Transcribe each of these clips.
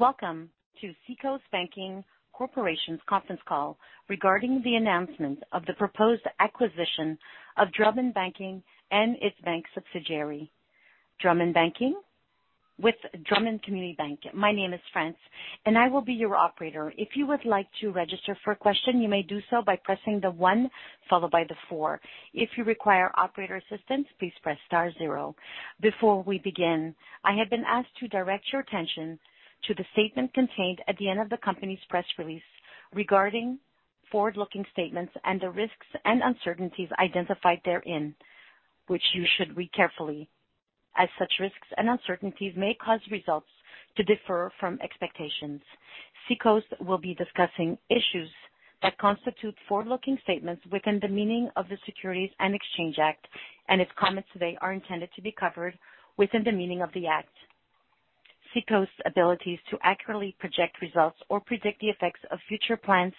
Welcome to Seacoast Banking Corporation's conference call regarding the announcement of the proposed acquisition of Drummond Banking Company and its bank subsidiary, Drummond Community Bank. My name is France, and I will be your operator. If you would like to register for a question, you may do so by pressing the one followed by the four. If you require operator assistance, please press star zero. Before we begin, I have been asked to direct your attention to the statement contained at the end of the company's press release regarding forward-looking statements and the risks and uncertainties identified therein, which you should read carefully, as such risks and uncertainties may cause results to differ from expectations. Seacoast will be discussing issues that constitute forward-looking statements within the meaning of the Securities and Exchange Act, and its comments today are intended to be covered within the meaning of the Act. Seacoast's abilities to accurately project results or predict the effects of future plans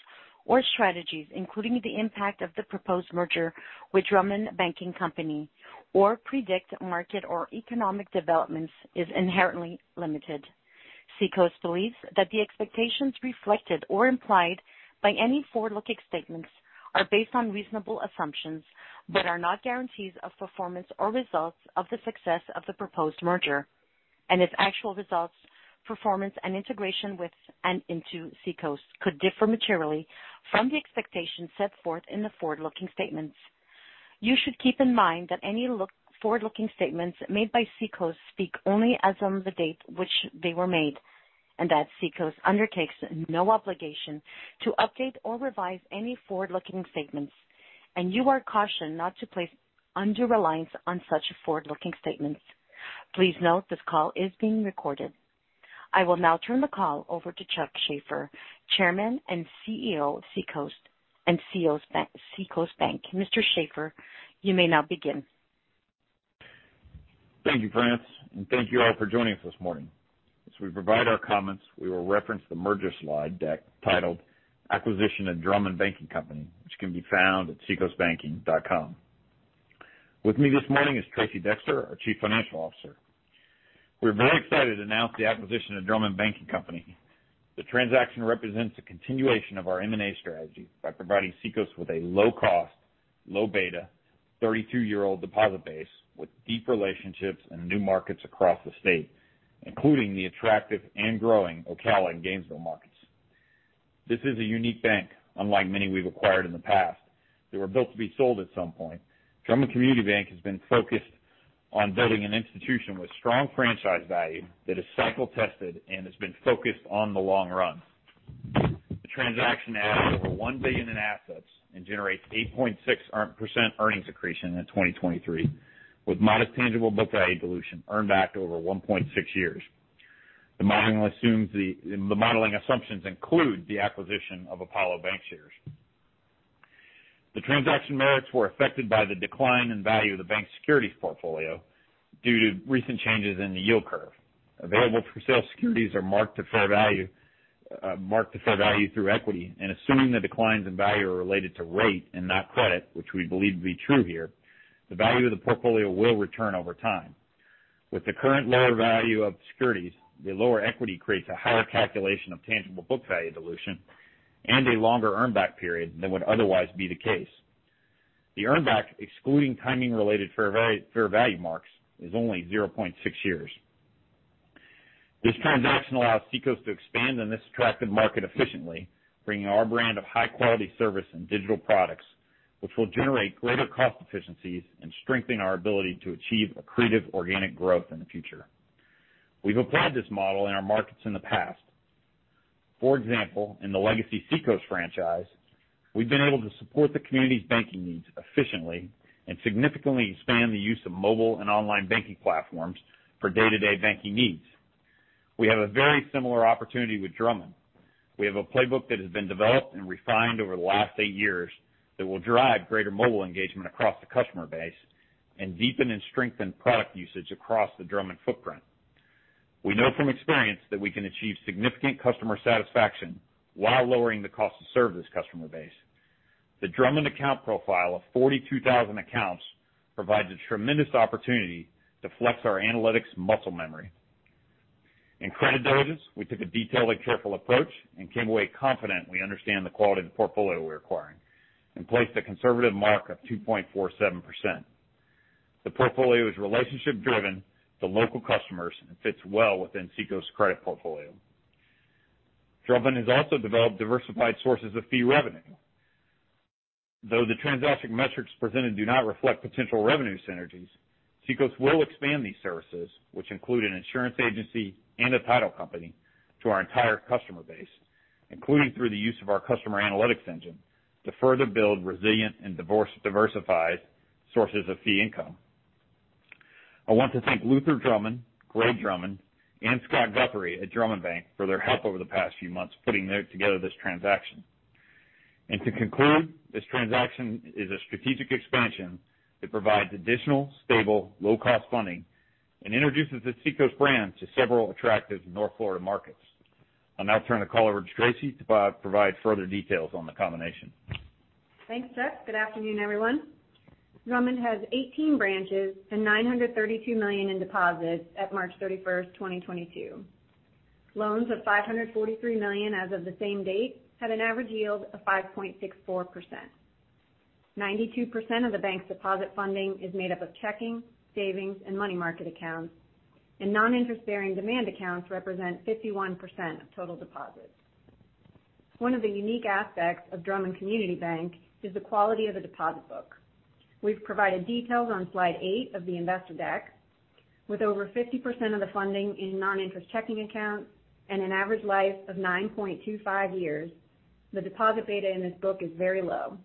or strategies, including the impact of the proposed merger with Drummond Banking Company or predict market or economic developments, is inherently limited. Seacoast believes that the expectations reflected or implied by any forward-looking statements are based on reasonable assumptions, but are not guarantees of performance or results of the success of the proposed merger, and if actual results, performance and integration with and into Seacoast could differ materially from the expectations set forth in the forward-looking statements. You should keep in mind that any forward-looking statements made by Seacoast speak only as of the date which they were made, and that Seacoast undertakes no obligation to update or revise any forward-looking statements, and you are cautioned not to place undue reliance on such forward-looking statements. Please note this call is being recorded. I will now turn the call over to Chuck Shaffer, Chairman and CEO of Seacoast Bank. Mr. Shaffer, you may now begin. Thank you, France, and thank you all for joining us this morning. As we provide our comments, we will reference the merger slide deck titled Acquisition of Drummond Banking Company, which can be found at seacoastbanking.com. With me this morning is Tracey Dexter, our Chief Financial Officer. We're very excited to announce the acquisition of Drummond Banking Company. The transaction represents a continuation of our M and A strategy by providing Seacoast with a low cost, low beta, 32-year-old deposit base with deep relationships and new markets across the state, including the attractive and growing Ocala and Gainesville markets. This is a unique bank, unlike many we've acquired in the past, that were built to be sold at some point. Drummond Community Bank has been focused on building an institution with strong franchise value that is cycle tested and has been focused on the long run. The transaction adds over 1 billion in assets and generates 8.6% earnings accretion in 2023, with modest tangible book value dilution earnback to over 1.6 years. The modeling assumptions include the acquisition of Apollo Bank shares. The transaction metrics were affected by the decline in value of the bank's securities portfolio due to recent changes in the yield curve. Available for sale securities are marked to fair value, marked to fair value through equity, and assuming the declines in value are related to rate and not credit, which we believe to be true here, the value of the portfolio will return over time. With the current lower value of securities, the lower equity creates a higher calculation of tangible book value dilution and a longer earnback period than would otherwise be the case. The earn back, excluding timing related fair value marks, is only 0.6 years. This transaction allows Seacoast to expand in this attractive market efficiently, bringing our brand of high-quality service and digital products, which will generate greater cost efficiencies and strengthen our ability to achieve accretive organic growth in the future. We've applied this model in our markets in the past. For example, in the legacy Seacoast franchise, we've been able to support the community's banking needs efficiently and significantly expand the use of mobile and online banking platforms for day-to-day banking needs. We have a very similar opportunity with Drummond. We have a playbook that has been developed and refined over the last eight years that will drive greater mobile engagement across the customer base and deepen and strengthen product usage across the Drummond footprint. We know from experience that we can achieve significant customer satisfaction while lowering the cost to serve this customer base. The Drummond account profile of 42,000 accounts provides a tremendous opportunity to flex our analytics muscle memory. In credit diligence, we took a detailed and careful approach and came away confident we understand the quality of the portfolio we're acquiring and placed a conservative mark of 2.47%. The portfolio is relationship driven to local customers and fits well within Seacoast's credit portfolio. Drummond has also developed diversified sources of fee revenue. Though the transaction metrics presented do not reflect potential revenue synergies, Seacoast will expand these services, which include an insurance agency and a title company, to our entire customer base, including through the use of our customer analytics engine, to further build resilient and diversified sources of fee income. I want to thank Luther Drummond, Gray Drummond, and Scott Guthrie at Drummond Bank for their help over the past few months, putting together this transaction. To conclude, this transaction is a strategic expansion that provides additional, stable, low cost funding and introduces the Seacoast brand to several attractive North Florida markets. I'll now turn the call over to Tracey to provide further details on the combination. Thanks, Chuck. Good afternoon, everyone. Drummond has 18 branches and 932 million in deposits at March 31, 2022. Loans of 543 million as of the same date have an average yield of 5.64%. 92% of the bank's deposit funding is made up of checking, savings, and money market accounts, and non-interest bearing demand accounts represent 51% of total deposits. One of the unique aspects of Drummond Community Bank is the quality of the deposit book. We've provided details on slide eight of the investor deck. With over 50% of the funding in non-interest checking accounts and an average life of 9.25 years, the deposit beta in this book is very low.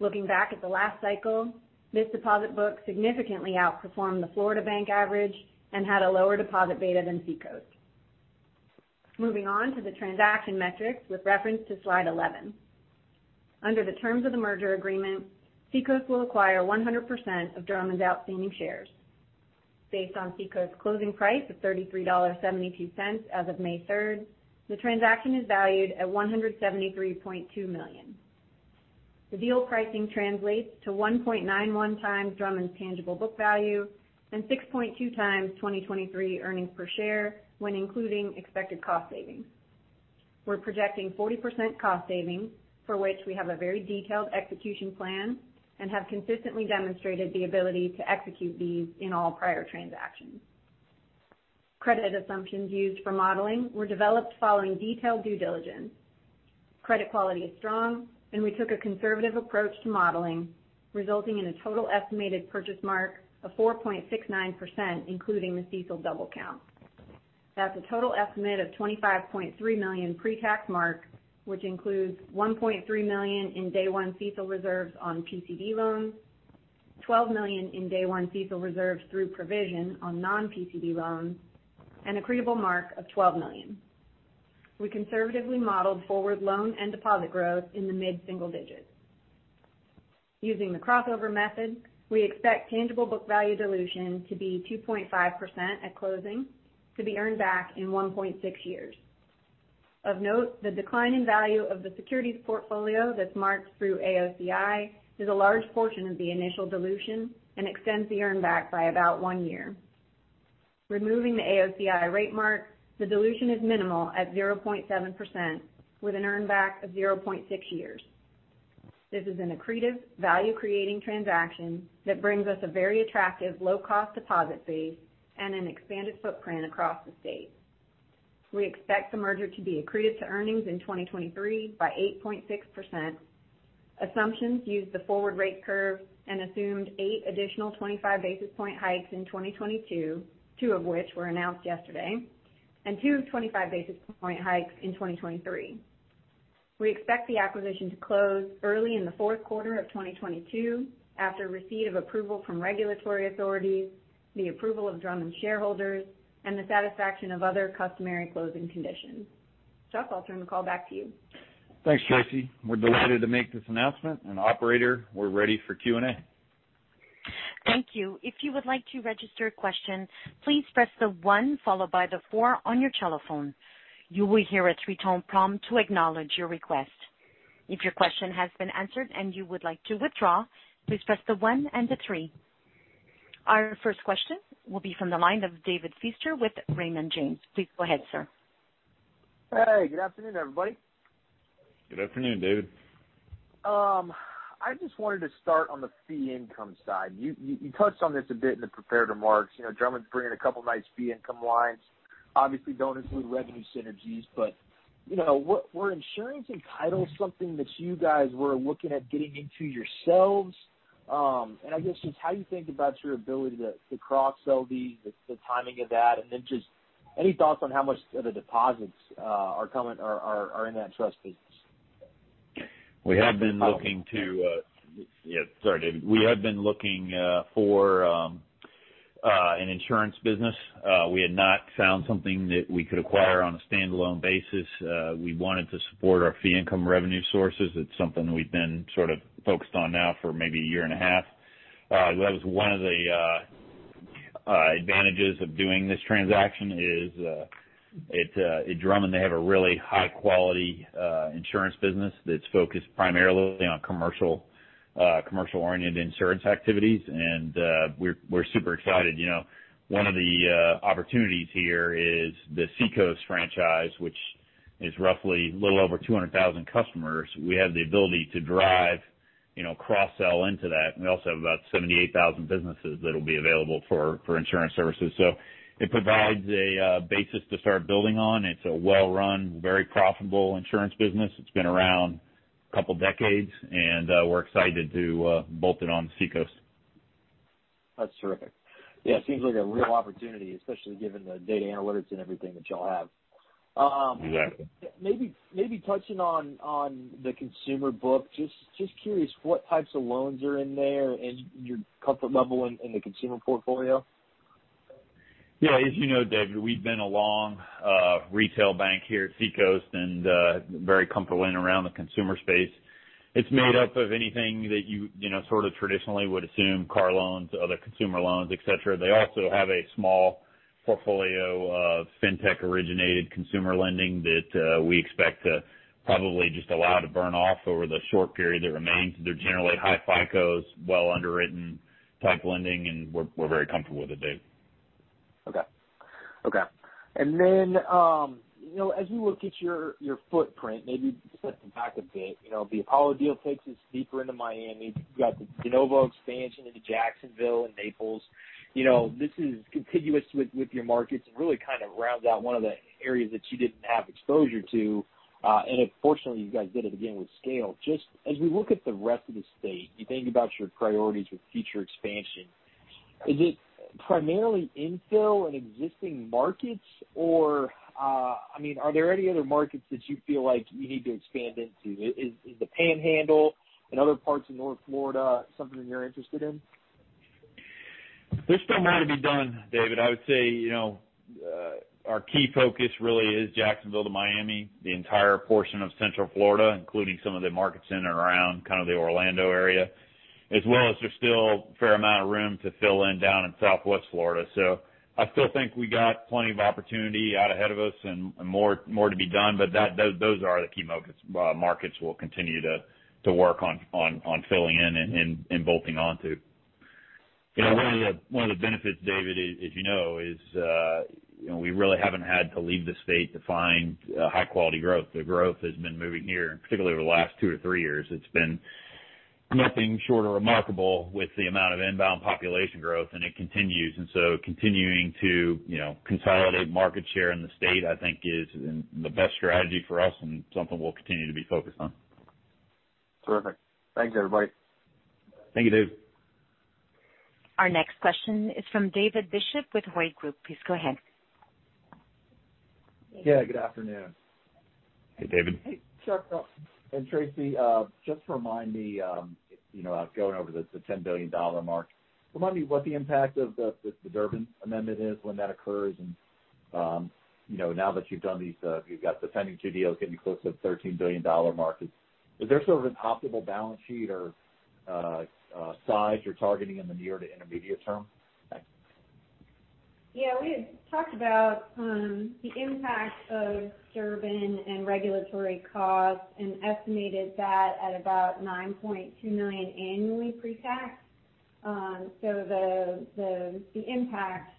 Looking back at the last cycle, this deposit book significantly outperformed the Florida bank average and had a lower deposit beta than Seacoast. Moving on to the transaction metrics with reference to slide 11. Under the terms of the merger agreement, Seacoast will acquire 100% of Drummond's outstanding shares. Based on Seacoast's closing price of $33.72 as of May 3, the transaction is valued at 173.2 million. The deal pricing translates to 1.91x Drummond's tangible book value and 6.2x 2023 earnings per share when including expected cost savings. We're projecting 40% cost savings, for which we have a very detailed execution plan and have consistently demonstrated the ability to execute these in all prior transactions. Credit assumptions used for modeling were developed following detailed due diligence. Credit quality is strong, and we took a conservative approach to modeling, resulting in a total estimated purchase mark of 4.69%, including the CECL double count. That's a total estimate of 25.3 million pre-tax mark, which includes 1.3 million in day one CECL reserves on PCD loans, 12 million in day one CECL reserves through provision on non-PCD loans, and accretable mark of 12 million. We conservatively modeled forward loan and deposit growth in the mid-single digits. Using the crossover method, we expect tangible book value dilution to be 2.5% at closing to be earned back in 1.6 years. Of note, the decline in value of the securities portfolio that's marked through AOCI is a large portion of the initial dilution and extends the earn back by about one year. Removing the AOCI rate mark, the dilution is minimal at 0.7% with an earn back of 0.6 years. This is an accretive value-creating transaction that brings us a very attractive low-cost deposit base and an expanded footprint across the state. We expect the merger to be accretive to earnings in 2023 by 8.6%. Assumptions use the forward rate curve and assumed eight additional 25 basis point hikes in 2022, two of which were announced yesterday, and two 25 basis point hikes in 2023. We expect the acquisition to close early in the fourth quarter of 2022 after receipt of approval from regulatory authorities, the approval of Drummond shareholders, and the satisfaction of other customary closing conditions. Chuck, I'll turn the call back to you. Thanks, Tracey. We're delighted to make this announcement. Operator, we're ready for Q&A. Thank you. If you would like to register a question, please press the one followed by the four on your telephone. You will hear a three-tone prompt to acknowledge your request. If your question has been answered and you would like to withdraw, please press the one and the three. Our first question will be from the line of David Feaster with Raymond James. Please go ahead, sir. Hey, good afternoon, everybody. Good afternoon, David. I just wanted to start on the fee income side. You touched on this a bit in the prepared remarks. You know, Drummond's bringing a couple nice fee income lines, obviously don't include revenue synergies. You know, were insurance and title something that you guys were looking at getting into yourselves? I guess just how you think about your ability to cross-sell these, the timing of that, and then just any thoughts on how much of the deposits are in that trust business? We have been looking to. Yeah, sorry, David. We have been looking for an insurance business. We had not found something that we could acquire on a standalone basis. We wanted to support our fee income revenue sources. It's something we've been sort of focused on now for maybe a year and a half. That was one of the advantages of doing this transaction is, it, at Drummond, they have a really high-quality insurance business that's focused primarily on commercial-oriented insurance activities. We're super excited. You know, one of the opportunities here is the Seacoast franchise, which is roughly a little over 200,000 customers. We have the ability to drive, you know, cross-sell into that. We also have about 78,000 businesses that'll be available for insurance services. It provides a basis to start building on. It's a well-run, very profitable insurance business. It's been around a couple decades, and we're excited to bolt it on Seacoast. That's terrific. Yeah, it seems like a real opportunity, especially given the data analytics and everything that y'all have. Exactly. Maybe touching on the consumer book, just curious what types of loans are in there and your comfort level in the consumer portfolio? Yeah. As you know, David, we've been a long retail bank here at Seacoast and very comfortable in and around the consumer space. It's made up of anything that you know sort of traditionally would assume, car loans, other consumer loans, et cetera. They also have a small portfolio of Fintech originated consumer lending that we expect to probably just allow to burn off over the short period that remains. They're generally high FICO, well underwritten type lending, and we're very comfortable with it, Dave. Okay. You know, as you look at your footprint, maybe step back a bit. You know, the Apollo deal takes us deeper into Miami. You've got the de novo expansion into Jacksonville and Naples. You know, this is contiguous with your markets and really kind of rounds out one of the areas that you didn't have exposure to. Unfortunately, you guys did it again with scale. Just as we look at the rest of the state, you think about your priorities with future expansion. Is it primarily infill and existing markets, or, I mean, are there any other markets that you feel like you need to expand into? Is the Panhandle and other parts of North Florida something you're interested in? There's still more to be done, David. I would say, you know, our key focus really is Jacksonville to Miami, the entire portion of Central Florida, including some of the markets in and around kind of the Orlando area, as well as there's still a fair amount of room to fill in down in Southwest Florida. I still think we got plenty of opportunity out ahead of us and more to be done. Those are the key markets we'll continue to work on filling in and bolting onto. You know, one of the benefits, David, is, as you know, you know, we really haven't had to leave the state to find high-quality growth. The growth has been moving here, and particularly over the last two-three years, it's been nothing short of remarkable with the amount of inbound population growth, and it continues. Continuing to, you know, consolidate market share in the state, I think, is the best strategy for us and something we'll continue to be focused on. Perfect. Thanks, everybody. Thank you, Dave. Our next question is from David Bishop with Hovde Group. Please go ahead. Yeah, good afternoon. Hey, David. Hey, Chuck and Tracey. Just remind me, going over the $10 billion mark, remind me what the impact of the Durbin Amendment is when that occurs. Now that you've done these, you've got the pending two deals getting close to the $13 billion mark, is there sort of an optimal balance sheet or size you're targeting in the near to intermediate term? Thanks. Yeah, we had talked about the impact of Durbin and regulatory costs and estimated that at about 9.2 million annually pre-tax. The impact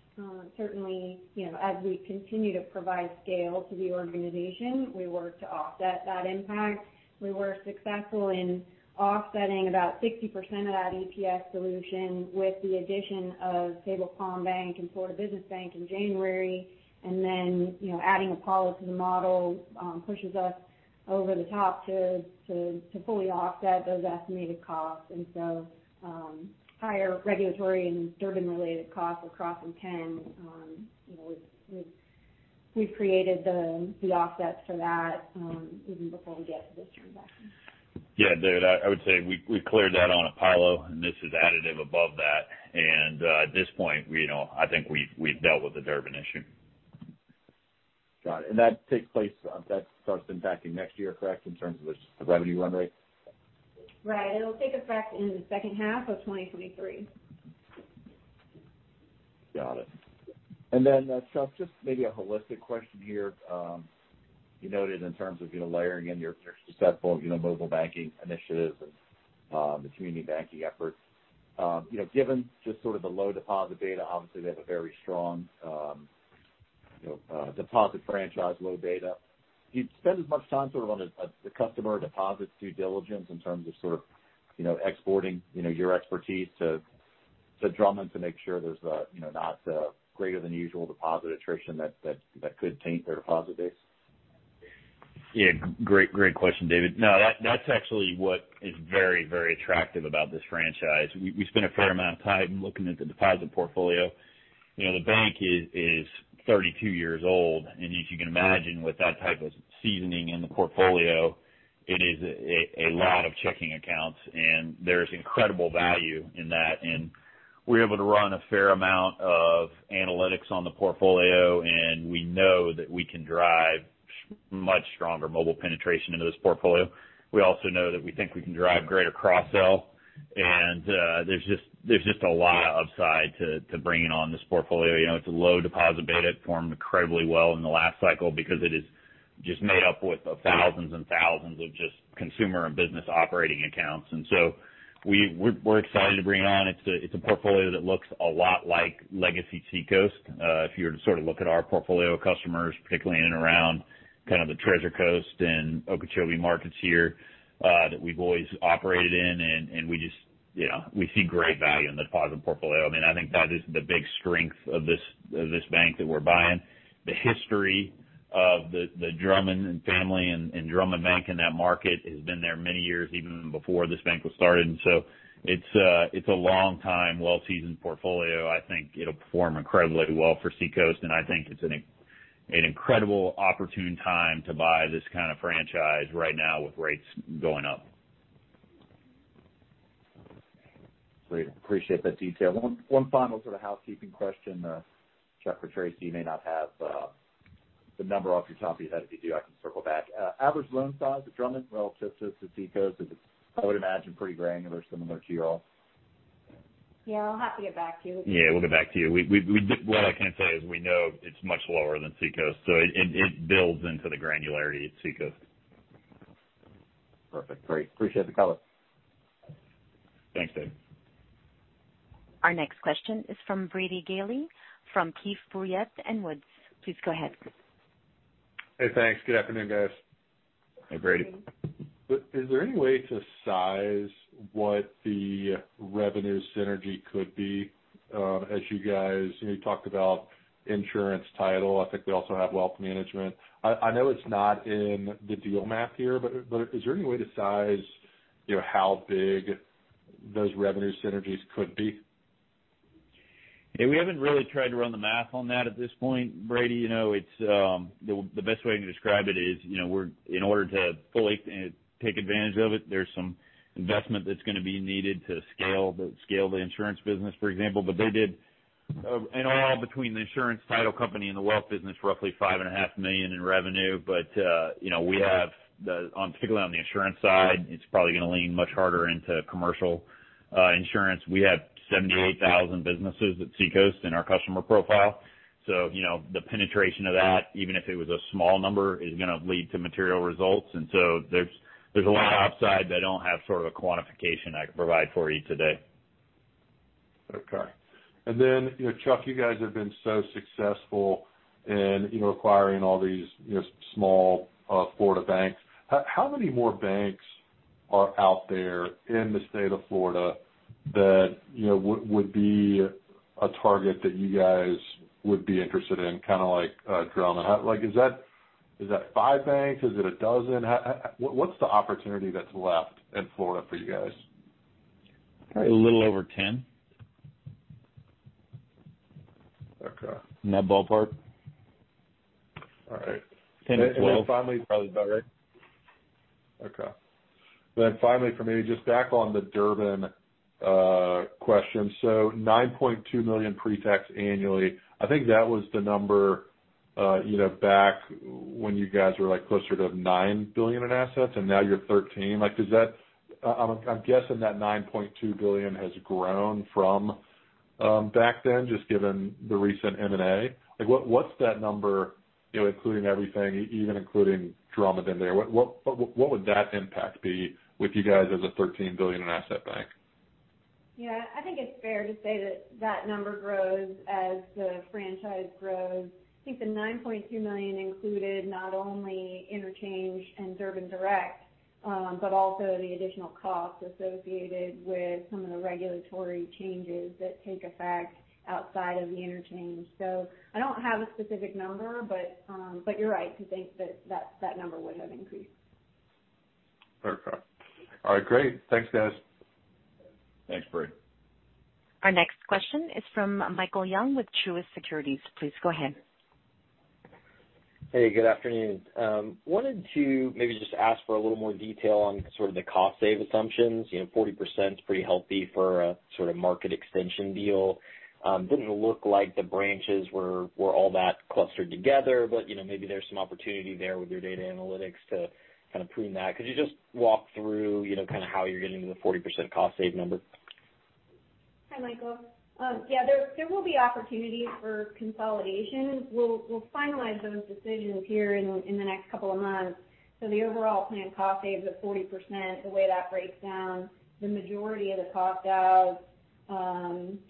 certainly, you know, as we continue to provide scale to the organization, we work to offset that impact. We were successful in offsetting about 60% of that EPS dilution with the addition of Sabal Palm Bank and Florida Business Bank in January. Then, you know, adding Apollo Bank to the model pushes us over the top to fully offset those estimated costs. Higher regulatory and Durbin-related costs across 10, you know, we've created the offsets for that even before we get to this transaction. Yeah, David, I would say we cleared that on Apollo, and this is additive above that. At this point, you know, I think we've dealt with the Durbin issue. Got it. That takes place, that starts impacting next year, correct, in terms of just the revenue run rate? Right. It'll take effect in the second half of 2023. Got it. Chuck, just maybe a holistic question here. You noted in terms of, you know, layering in your successful, you know, mobile banking initiative and the community banking efforts. You know, given just sort of the low deposit beta, obviously they have a very strong deposit franchise, low beta. Do you spend as much time sort of on customer deposits due diligence in terms of sort of, you know, exporting, you know, your expertise to Drummond to make sure there's a, you know, not a greater than usual deposit attrition that could taint their deposit base? Yeah. Great question, David. No, that's actually what is very attractive about this franchise. We spent a fair amount of time looking at the deposit portfolio. You know, the bank is 32 years old, and as you can imagine, with that type of seasoning in the portfolio, it is a lot of checking accounts and there's incredible value in that. We're able to run a fair amount of analytics on the portfolio, and we know that we can drive much stronger mobile penetration into this portfolio. We also know that we think we can drive greater cross-sell, and there's just a lot of upside to bringing on this portfolio. You know, it's a low deposit beta. It performed incredibly well in the last cycle because it is just made up with thousands and thousands of just consumer and business operating accounts. We're excited to bring it on. It's a portfolio that looks a lot like legacy Seacoast. If you were to sort of look at our portfolio of customers, particularly in and around kind of the Treasure Coast and Okeechobee markets here, that we've always operated in, and we just, you know, we see great value in the deposit portfolio. I mean, I think that is the big strength of this bank that we're buying. The history of the Drummond family and Drummond Bank in that market has been there many years, even before this bank was started. It's a long time, well-seasoned portfolio. I think it'll perform incredibly well for Seacoast, and I think it's an incredible opportune time to buy this kind of franchise right now with rates going up. Great. Appreciate that detail. One final sort of housekeeping question. Chuck or Tracey may not have the number off the top of your head. If you do, I can circle back. Average loan size at Drummond relative to Seacoast is, I would imagine, pretty granular, similar to y'all. Yeah, I'll have to get back to you. Yeah, we'll get back to you. What I can say is we know it's much lower than Seacoast, so it builds into the granularity at Seacoast. Perfect. Great. Appreciate the color. Thanks, Dave. Our next question is from Brady Gailey from Keefe, Bruyette & Woods. Please go ahead. Hey, thanks. Good afternoon, guys. Hey, Brady. Hey. Is there any way to size what the revenue synergy could be, as you guys, you know, you talked about insurance title. I think they also have wealth management. I know it's not in the deal math here, but is there any way to size, you know, how big those revenue synergies could be? Yeah, we haven't really tried to run the math on that at this point, Brady. You know, it's the best way to describe it is, you know, in order to fully take advantage of it, there's some investment that's gonna be needed to scale the insurance business, for example. They did in all, between the insurance title company and the wealth business, roughly $5.5 million in revenue. You know, particularly on the insurance side, it's probably gonna lean much harder into commercial insurance. We have 78,000 businesses at Seacoast in our customer profile. You know, the penetration of that, even if it was a small number, is gonna lead to material results. There's a lot of upside but I don't have sort of a quantification I can provide for you today. Okay. You know, Chuck, you guys have been so successful in, you know, acquiring all these, you know, small Florida banks. How many more banks are out there in the state of Florida that, you know, would be a target that you guys would be interested in, kind of like Drummond? Like, is that five banks? Is it a dozen? What's the opportunity that's left in Florida for you guys? Probably a little over 10. Okay. In that ballpark. All right. 10-12, probably about right. Okay. Finally for me, just back on the Durbin question. 9.2 million pre-tax annually, I think that was the number, you know, back when you guys were, like, closer to 9 billion in assets, and now you're 13 billion. Like, does that. I'm guessing that $9.2 billion has grown from back then, just given the recent M and A. Like, what's that number, you know, including everything, even including Drummond in there? What would that impact be with you guys as a 13 billion asset bank? Yeah. I think it's fair to say that that number grows as the franchise grows. I think the 9.2 million included not only interchange and Durbin direct, but also the additional costs associated with some of the regulatory changes that take effect outside of the interchange. I don't have a specific number, but you're right to think that that number would have increased. Perfect. All right, great. Thanks, guys. Thanks, Brady. Our next question is from Michael Young with Truist Securities. Please go ahead. Hey, good afternoon. Wanted to maybe just ask for a little more detail on sort of the cost savings assumptions. You know, 40%'s pretty healthy for a sort of market extension deal. Didn't look like the branches were all that clustered together, but, you know, maybe there's some opportunity there with your data analytics to kind of prune that. Could you just walk through, you know, kind of how you're getting to the 40% cost savings number? Hi, Michael. Yeah, there will be opportunities for consolidation. We'll finalize those decisions here in the next couple of months. The overall planned cost savings at 40%. The way that breaks down, the majority of the cost out,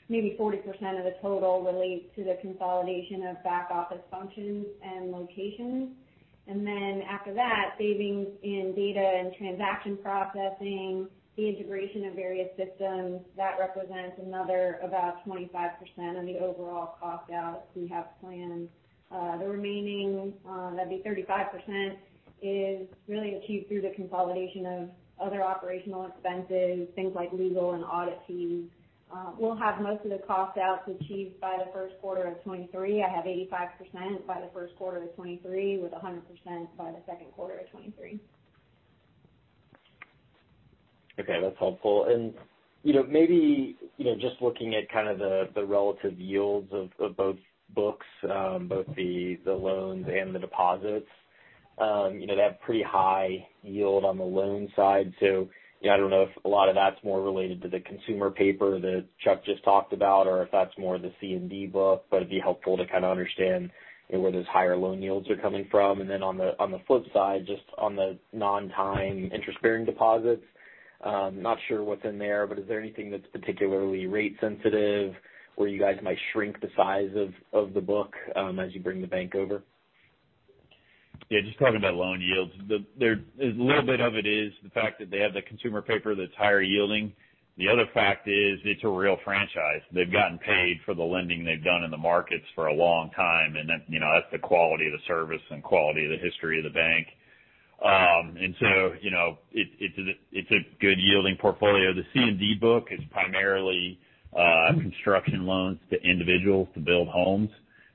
maybe 40% of the total relates to the consolidation of back office functions and locations. Then after that, savings in data and transaction processing, the integration of various systems, that represents another about 25% of the overall cost out we have planned. The remaining, that'd be 35%, is really achieved through the consolidation of other operational expenses, things like legal and audit fees. We'll have most of the cost outs achieved by the first quarter of 2023. I have 85% by the first quarter of 2023, with 100% by the second quarter of 2023. Okay, that's helpful. You know, maybe just looking at kind of the relative yields of both books, both the loans and the deposits. You know, they have pretty high yield on the loan side. You know, I don't know if a lot of that's more related to the consumer paper that Chuck just talked about or if that's more the C&D book, but it'd be helpful to kind of understand where those higher loan yields are coming from. On the flip side, just on the noninterest-bearing deposits, not sure what's in there, but is there anything that's particularly rate sensitive where you guys might shrink the size of the book as you bring the bank over? Yeah, just talking about loan yields, they're a little bit of it is the fact that they have the consumer paper that's higher yielding. The other fact is it's a real franchise. They've gotten paid for the lending they've done in the markets for a long time, and that, you know, that's the quality of the service and quality of the history of the bank. You know, it's a good yielding portfolio. The C&D book is primarily construction loans to individuals to build homes.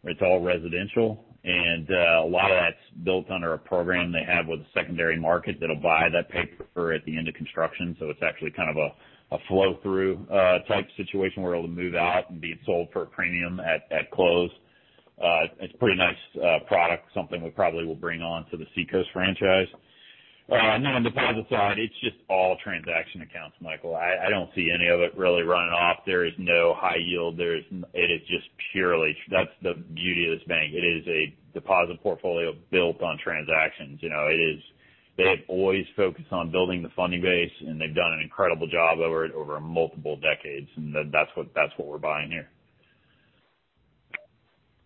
It's all residential, and a lot of it built under a program they have with a secondary market that'll buy that paper at the end of construction. It's actually kind of a flow through type situation. We're able to move out and be sold for a premium at close. It's pretty nice product, something we probably will bring on to the Seacoast franchise. Then on deposit side, it's just all transaction accounts, Michael. I don't see any of it really running off. There is no high yield. It is just purely, that's the beauty of this bank. It is a deposit portfolio built on transactions. You know, it is. They have always focused on building the funding base, and they've done an incredible job over multiple decades. That's what we're buying here.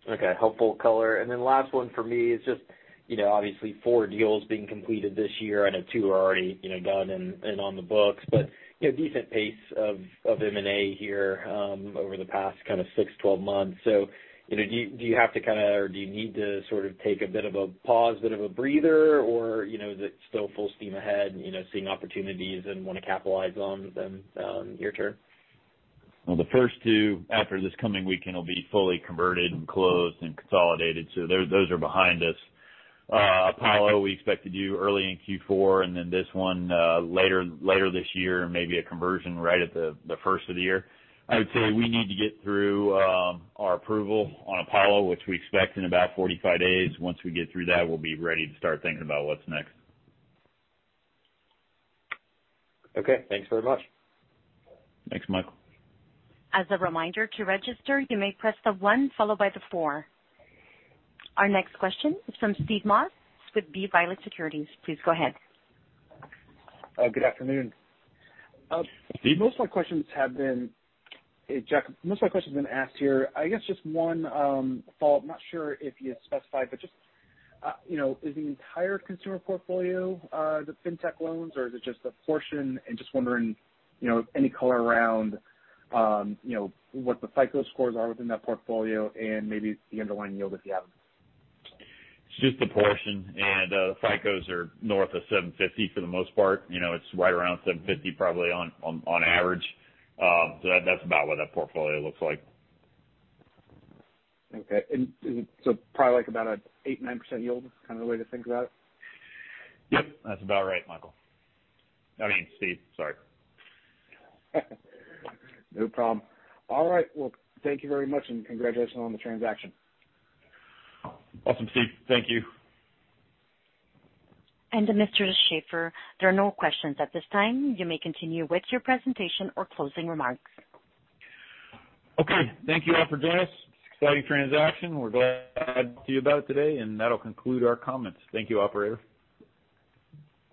Okay, helpful color. Last one for me is just, you know, obviously four deals being completed this year. I know two are already, you know, done and on the books, but, you know, decent pace of M and A here over the past kind of six, 12 months. You know, do you have to kinda or do you need to sort of take a bit of a pause, bit of a breather or, you know, is it still full steam ahead, you know, seeing opportunities and wanna capitalize on them near-term? Well, the first two after this coming weekend will be fully converted and closed and consolidated, so those are behind us. Apollo, we expect to do early in Q4, and then this one, later this year, maybe a conversion right at the first of the year. I would say we need to get through our approval on Apollo, which we expect in about 45 days. Once we get through that, we'll be ready to start thinking about what's next. Okay, thanks very much. Thanks, Michael. As a reminder, to register, you may press the one followed by the four. Our next question is from Steve Moss with B. Riley Securities. Please go ahead. Good afternoon. Steve. Hey, Chuck Shaffer, most of my questions have been asked here. I guess just one follow-up. Not sure if you had specified, but just you know, is the entire consumer portfolio the fintech loans, or is it just a portion? And just wondering, you know, any color around you know, what the FICO scores are within that portfolio and maybe the underlying yield if you have them. It's just the portion. The FICOs are north of 750 for the most part. You know, it's right around 750 probably on average. So that's about what that portfolio looks like. Probably like about an 8%-9% yield kind of the way to think about it? Yep. That's about right, Michael. I mean, Steve, sorry. No problem. All right, well, thank you very much, and congratulations on the transaction. Awesome, Steve. Thank you. To Mr. Shaffer, there are no questions at this time. You may continue with your presentation or closing remarks. Okay. Thank you all for joining us. Exciting transaction. We're glad to talk to you about it today, and that'll conclude our comments. Thank you, operator.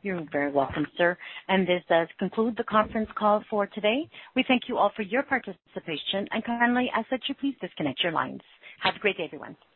You're very welcome, sir. This does conclude the conference call for today. We thank you all for your participation and kindly ask that you please disconnect your lines. Have a great day, everyone.